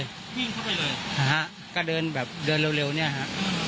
วิ่งเข้าไปเลยนะฮะก็เดินแบบเดินเร็วเนี่ยฮะ